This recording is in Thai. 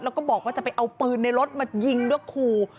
แล้วก็บอกว่าจะไปเอาปืนในรถมายิงด้วยขู่